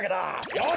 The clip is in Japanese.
よし！